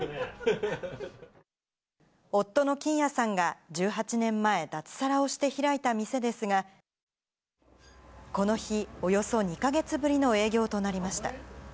夫の金也さんが１８年前、脱サラをして開いた店ですが、この日、およそ２か月ぶりの営業となりました。